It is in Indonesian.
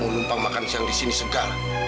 mau lumpang makan siang di sini segala